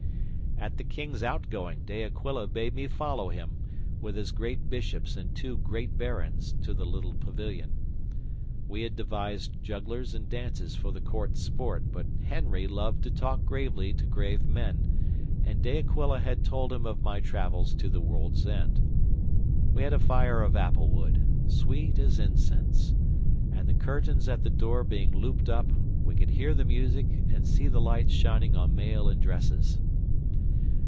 'At the King's outgoing De Aquila bade me follow him, with his great bishops and two great barons, to the little pavilion. We had devised jugglers and dances for the Court's sport; but Henry loved to talk gravely to grave men, and De Aquila had told him of my travels to the world's end. We had a fire of apple wood, sweet as incense, and the curtains at the door being looped up, we could hear the music and see the lights shining on mail and dresses.